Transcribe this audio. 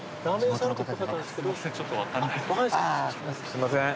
すいません